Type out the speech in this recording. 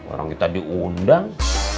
orang kita diundang